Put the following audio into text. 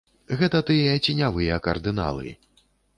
Гэта тыя ценявыя кардыналы.